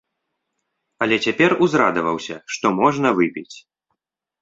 Але цяпер узрадаваўся, што можна выпіць.